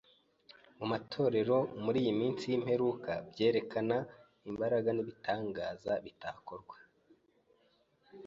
mu matorero muri iyi minsi y’imperuka, byerekanaga imbaraga n’ibitangaza bitakorwa